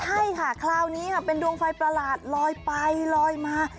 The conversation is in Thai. ใช่ค่ะคราวนี้ค่ะเป็นดวงไฟประหลาดลอยไปลอยมา